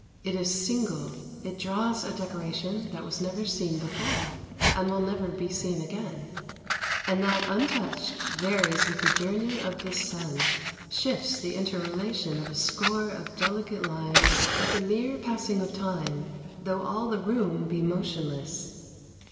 It is single; it draws a decoration that was never seen before, and will never be seen again, and that, untouched, varies with the journey of the sun, shifts the interrelation of a score of delicate lines at the mere passing of time, though all the room be motionless.